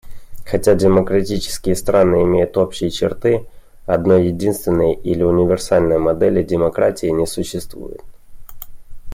Хотя демократические страны имеют общие черты, одной единственной или универсальной модели демократии не существует.